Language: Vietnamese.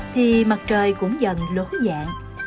thì mặt trời cũng dần lối dạng